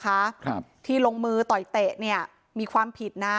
ครับที่ลงมือต่อยเตะเนี้ยมีความผิดนะ